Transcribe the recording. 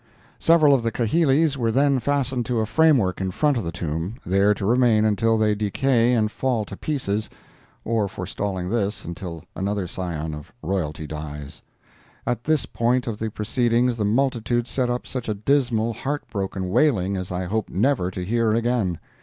Several of the kahilis were then fastened to a framework in front of the tomb, there to remain until they decay and fall to pieces, or forestalling this, until another scion of royalty dies. At this point of the proceedings the multitude set up such a dismal, heart broken wailing as I hope never to hear again.